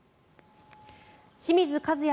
清水和也